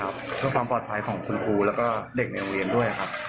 เพื่อความปลอดภัยของคุณครูแล้วก็เด็กในโรงเรียนด้วยครับ